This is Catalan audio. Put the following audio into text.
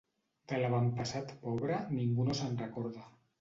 De l'avantpassat pobre ningú no se'n recorda.